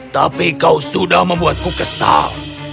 tapi kau sudah membuatku kesal